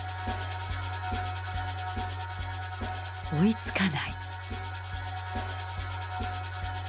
追いつかない。